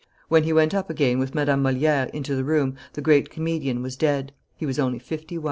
When he went up again, with Madame Moliere, into the room, the great comedian was dead. He was only fifty one.